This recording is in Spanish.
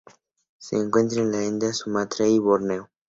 Se encuentra en la India, Sumatra y Borneo.